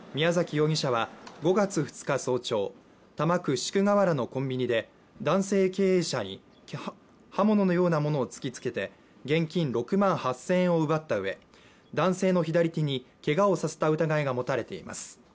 容疑者は５月２日早朝、多摩区宿河原のコンビニで男性経営者に刃物のようなものを突きつけて現金６万８０００円を奪ったうえ、男性の左手にけがをさせた疑いが持たれています。